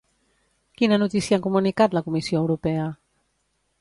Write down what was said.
Quina notícia ha comunicat la Comissió Europea?